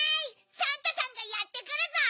サンタさんがやってくるゾウ！